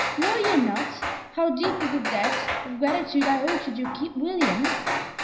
Know ye not how deep is the debt of gratitude I owe to Duke William?